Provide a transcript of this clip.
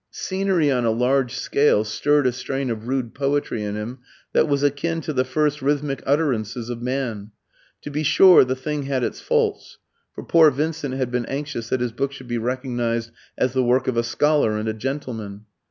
Scenery on a large scale stirred a strain of rude poetry in him this was akin to the first rhythmic utterances of man. To be sure, the thing had its faults; for poor Vincent had been anxious that his book should be recognised as the work of a scholar and a gentleman.